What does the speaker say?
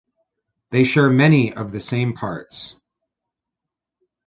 They share many of the same parts.